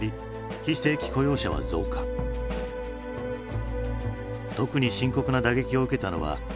特に深刻な打撃を受けたのは若者たちだ。